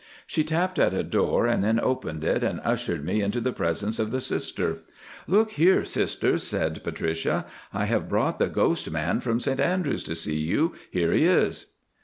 She tapped at a door and then opened it, and ushered me into the presence of the Sister. "Look here, Sister," said Patricia, "I have brought the ghost man from St Andrews to see you. Here he is."